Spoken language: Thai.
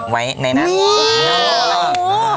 ในนั้นนี่อ๋อเฌียบ